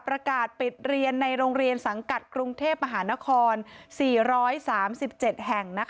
ประกาศปิดเรียนในโรงเรียนสังกัดกรุงเทพมหานคร๔๓๗แห่ง